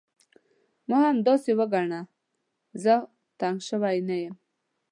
ما هم همداسې وګڼه، زه تنګ شوی نه یم.